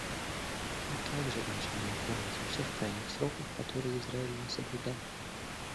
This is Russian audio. Мы также должны напомнить о всех крайних сроках, которые Израиль не соблюдал.